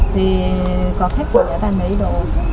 thì có khách của người ta lấy đồ